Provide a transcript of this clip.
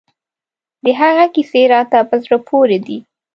د هغه کیسې راته په زړه پورې دي.